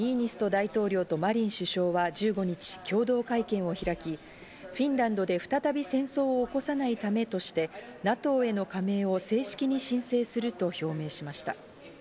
大統領とマリン首相は１５日、共同会見を開き、フィンランドで再び戦争を起こさないためとしてＮＡＴＯへの加盟を正式に申請すると表明しました。